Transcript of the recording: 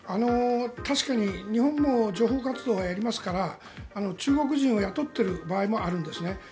確かに日本も情報活動はやりますから中国人を雇っている場合もあるんですね。